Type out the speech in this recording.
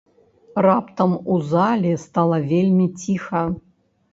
Раптам у зале стала вельмі ціха.